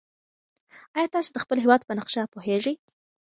ایا تاسي د خپل هېواد په نقشه پوهېږئ؟